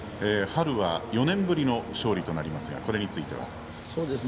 春は４年ぶりの勝利となりますがこれについては。